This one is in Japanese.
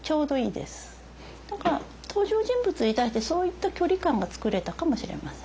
だから登場人物に対してそういった距離感が作れたかもしれません。